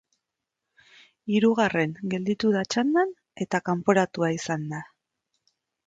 Hirugarren gelditu da txandan, eta kanporatua izan da.